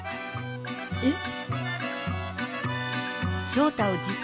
えっ？